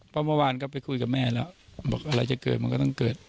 เพราะเมื่อวานก็ไปคุยกับแม่แล้วบอกอะไรจะเกิดมันก็ต้องเกิด